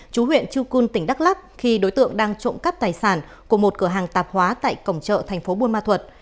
chú huyện chu cun tỉnh đắk lắk khi đối tượng đang trộm cắp tài sản của một cửa hàng tạp hóa tại cổng chợ tp buôn ma thuật